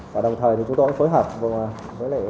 và đồng thời chúng tôi cũng phối hợp với lệnh